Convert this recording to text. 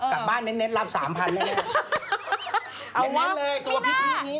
กลับบ้านเน็ตรับ๓๐๐๐ไม่ได้เน็ตเลยตัวพี่นี้นี่